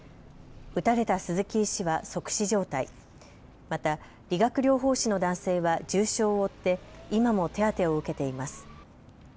撃たれた鈴木医師は即死状態、また、理学療法士の男性は重傷を負って、今も手当てを受けています。